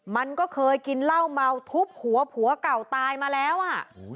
มันก็เคยกินเหล้าเมาทุบหัวผัวเก่าตายมาแล้วอ่ะ